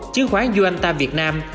chứng khoán yuantam việt nam